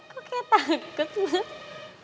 kok kayak takut mas